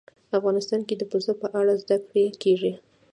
افغانستان کې د پسه په اړه زده کړه کېږي.